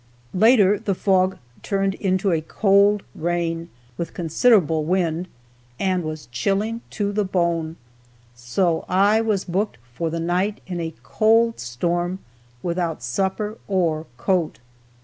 Later the fog turned into a cold rain, with considerable wind, and was chilling to the bone, so I was booked for the night in a cold storm without supper or coat.